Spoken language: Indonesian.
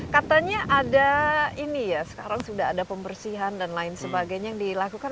katanya ada ini ya sekarang sudah ada pembersihan dan lain sebagainya yang dilakukan